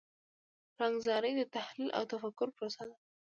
پلانګذاري د تحلیل او تفکر پروسه ده.